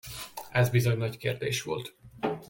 Ez bizony nagy kérdés volt.